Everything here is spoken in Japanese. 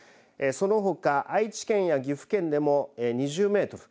そのほか、愛知県や岐阜県でも２０メートル。